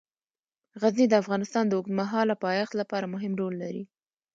غزني د افغانستان د اوږدمهاله پایښت لپاره مهم رول لري.